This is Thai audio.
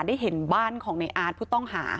ได้เห็นบ้านของในอาร์ตผู้ต้องหา